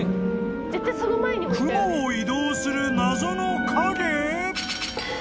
［雲を移動する謎の影！？］